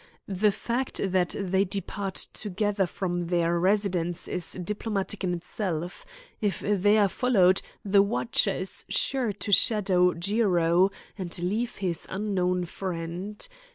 The fact that they depart together from their residence is diplomatic in itself. If they are followed, the watcher is sure to shadow Jiro and leave his unknown friend.